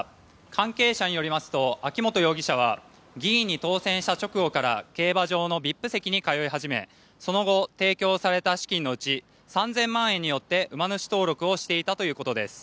関係者によりますと秋本容疑者は議員に当選した直後から競馬場のＶＩＰ席に通い始めその後、提供された資金のうち３０００万円によって馬主登録をしていたということです。